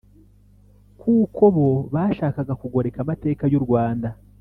kuko bo bashakaga kugoreka amateka y’u rwanda